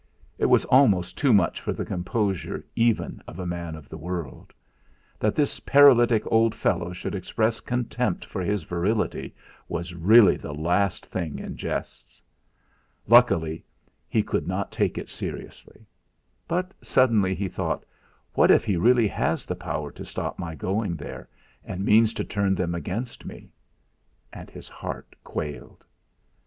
It was almost too much for the composure even of a man of the world. That this paralytic old fellow should express contempt for his virility was really the last thing in jests. Luckily he could not take it seriously. But suddenly he thought: 'What if he really has the power to stop my going there, and means to turn them against me!' And his heart quailed.